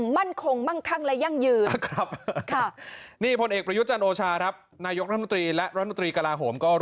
มั่นคงมั่งข้างและยั่งยืนครับค่ะนี่ผลเอกปรยุจจันทร์